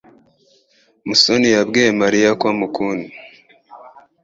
musoni yabwiye Mariya ko amukunda.